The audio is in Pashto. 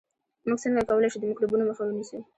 موږ څنګه کولای شو د میکروبونو مخه ونیسو